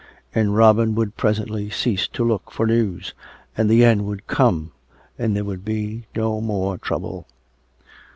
And Robin would presently cease to look for news, and the end would come, and there would be no more trouble.)